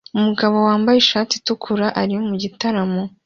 Umugabo wambaye ishati itukura ari mu gitaramo